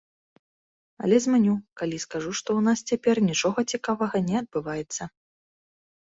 Але зманю, калі скажу, што ў нас цяпер нічога цікавага не адбываецца.